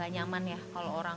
nyaman ya kalau orang